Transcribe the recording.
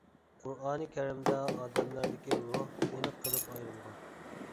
قۇرئانى كەرىمدە ئادەملەردىكى روھ ئېنىق قىلىپ ئايرىلغان.